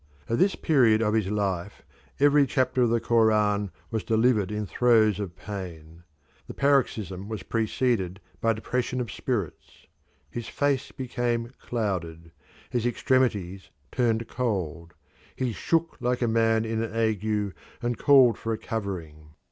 At this period of his life every chapter of the Koran was delivered in throes of pain. The paroxysm was preceded by depression of spirits; his face became clouded; his extremities turned cold; he shook like a man in an ague and called for a covering.